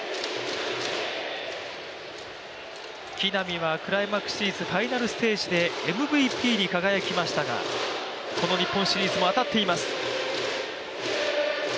木浪はクライマックスシリーズファイナルステージでＭＶＰに輝きましたが、この日本シリーズも当たっています。